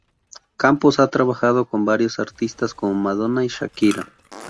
Campos ha trabajado con varios artistas como Madonna y Shakira.